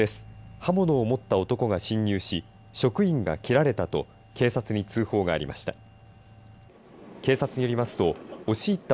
刃物を持った男が侵入し職員が切られたと警察に通報がありました。